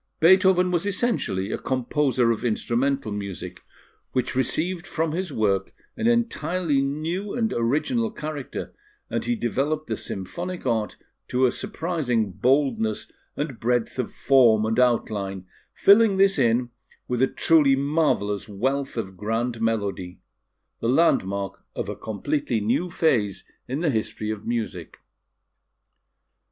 Beethoven was essentially a composer of instrumental music, which received from his work an entirely new and original character, and he developed the symphonic art to a surprising boldness and breadth of form and outline, filling this in with a truly marvellous wealth of grand melody the landmark of a completely new phase in the history of music.